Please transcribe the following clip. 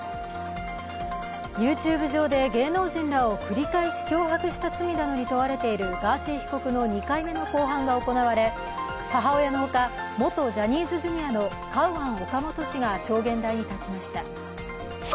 ＹｏｕＴｕｂｅ上で芸能人らを繰り返し脅迫した罪などに問われているガーシー被告の２回目の公判が行われ母親のほか、元ジャニーズＪｒ．のカウアン・オカモト氏が証言台に立ちました。